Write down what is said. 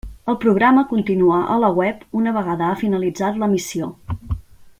El programa continua a la web una vegada ha finalitzat l'emissió.